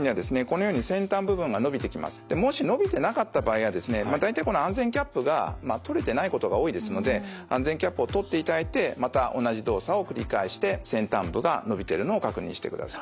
もし伸びてなかった場合はですね大体この安全キャップが取れてないことが多いですので安全キャップを取っていただいてまた同じ動作を繰り返して先端部が伸びてるのを確認してください。